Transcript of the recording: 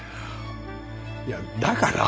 いやだから。